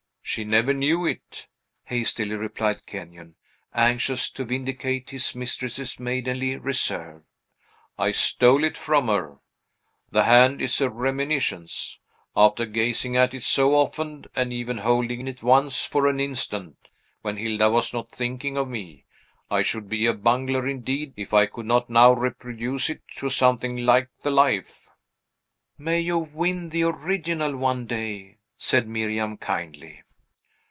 She never knew it!" hastily replied Kenyon, anxious to vindicate his mistress's maidenly reserve. "I stole it from her. The hand is a reminiscence. After gazing at it so often, and even holding it once for an instant, when Hilda was not thinking of me, I should be a bungler indeed, if I could not now reproduce it to something like the life." "May you win the original one day!" said Miriam kindly.